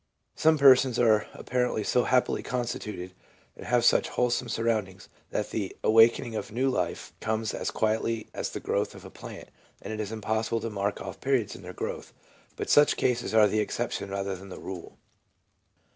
Some persons are apparently so happily constituted, and have such wholesome surroundings, that the awaken ing of new life comes as quietly as the growth of a plant, and it is impossible to mark off periods in their growth ; but such cases are the exception rather than the rule.